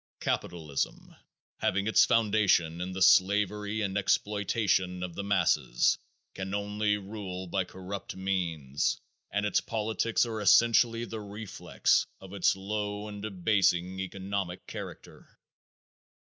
Capitalism, having its foundation in the slavery and exploitation of the masses, can only rule by corrupt means and its politics are essentially the reflex of its low and debasing economic character.